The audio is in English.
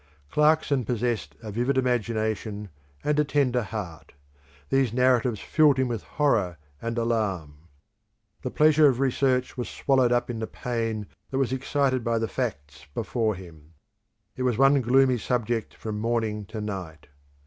Clarkson possessed a vivid imagination and a tender heart: these narratives filled him with horror and alarm. The pleasure of research was swallowed up in the pain that was excited by the facts before him. It was one gloomy subject from morning to night.